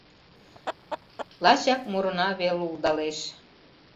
Лачак мурына вел улдалеш.